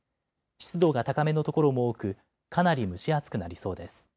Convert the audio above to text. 湿度が高めの所も多くかなり蒸し暑くなりそうです。